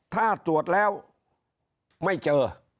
ถ้าตรวจแล้วไม่เจอ